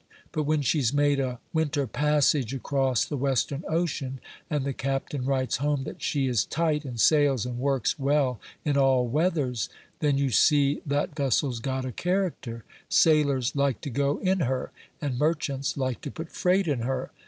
But when she's made a winter passage across the western ocean, and the captain writes home that she is tight, and sails and works well in all weathers, then you see that vessel's got a character; sailors like to go in her, and merchants like to put freight in her.